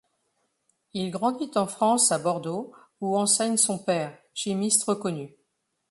Il grandit en France à Bordeaux où enseigne son père, chimiste reconnu.